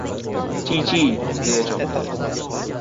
Chiy-chiy, deya chopdi.